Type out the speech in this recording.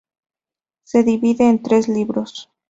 Se divide en tres libros.